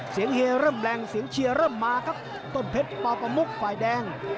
เสียงเฮียเริ่มแรงเสียงเชียเริ่มมาครับต้นเพชรปาปมุกฝ่ายแดง